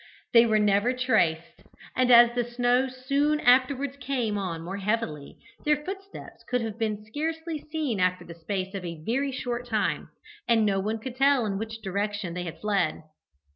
They were never traced, and as the snow soon afterwards came on more heavily, their footsteps could have been scarcely seen after the space of a very short time, and no one could tell in which direction they had fled.